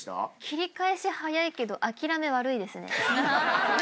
切り返しはやいけど諦め悪いですね。